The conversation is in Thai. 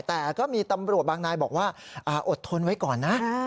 แต่ก็มีตำรวจบางนายบอกว่าอดทนไว้ก่อนนะ